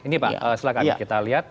ini pak silahkan kita lihat